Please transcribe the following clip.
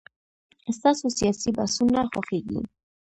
ستاسو سياسي بحثونه خوښيږي.